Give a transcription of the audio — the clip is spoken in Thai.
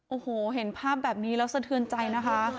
โอ้โหเห็นภาพแบบนี้แล้วสะเทือนใจนะคะ